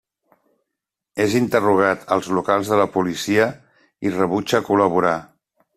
És interrogat als locals de la policia i rebutja col·laborar.